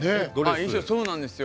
衣装そうなんですよ。